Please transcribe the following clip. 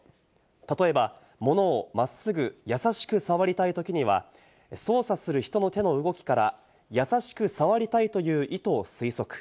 例えば物を真っすぐ優しく触りたいときには操作する人の手の動きから「優しく触りたいと」いう意図を推測。